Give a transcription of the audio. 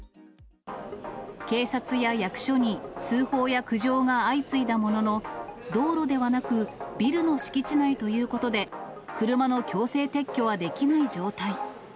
警察や役所に通報や苦情が相次いだものの、道路ではなく、ビルの敷地内ということで、車の強制撤去はできない状態。